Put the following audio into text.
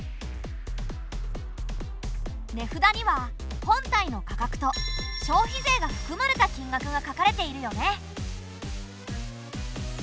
値札には本体の価格と消費税がふくまれた金額が書かれているよね。